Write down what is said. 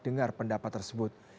dengar pendapat tersebut